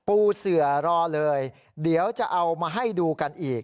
ปูเสือรอเลยเดี๋ยวจะเอามาให้ดูกันอีก